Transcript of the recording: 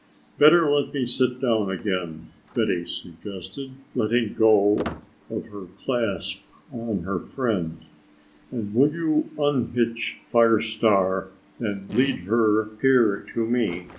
"Better let me sit down again," Betty suggested, letting go of her clasp on her friend; "and will you unhitch Fire Star and lead her here to me.